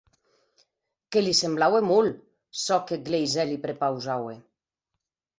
Que li semblaue molt, çò qu’eth gleisèr li prepausaue.